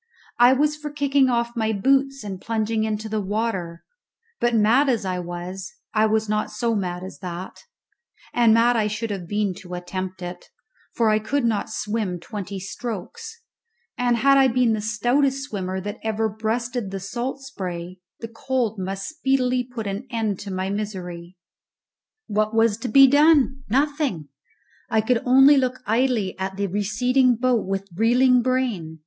I was for kicking off my boots and plunging into the water, but, mad as I was, I was not so mad as that; and mad I should have been to attempt it, for I could not swim twenty strokes, and had I been the stoutest swimmer that ever breasted the salt spray, the cold must speedily put an end to my misery. What was to be done? Nothing! I could only look idly at the receding boat with reeling brain.